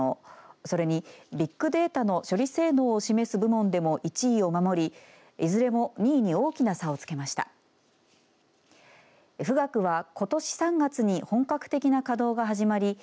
それに、ビッグデータの処理性能を示す部門でも１位を守り、いずれも２位に大きな差をつけました。